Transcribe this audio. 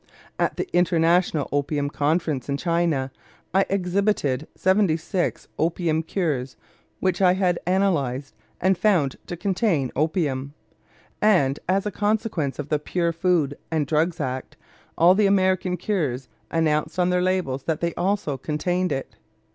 At the International Opium Conference in China I exhibited seventy six opium cures which I had had analyzed and found to contain opium; and as a consequence of the Pure Food and Drugs Act all the American "cures" announced on their labels that they also contained it.